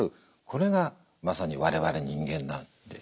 これがまさに我々人間なんで。